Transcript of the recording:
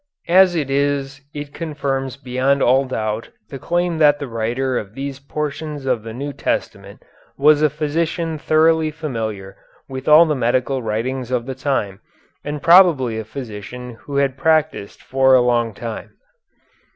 As it is it confirms beyond all doubt the claim that the writer of these portions of the New Testament was a physician thoroughly familiar with all the medical writings of the time and probably a physician who had practised for a long time.